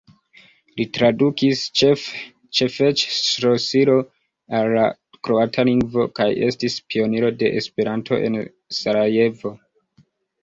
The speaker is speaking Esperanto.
Li tradukis Ĉefeĉ-ŝlosilon al la kroata lingvo kaj estis pioniro de Esperanto en Sarajevo.